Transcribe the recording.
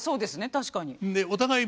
確かに。